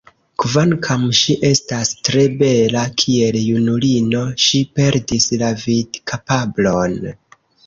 Kvankam ŝi estas tre bela, kiel junulino ŝi perdis la vidkapablon.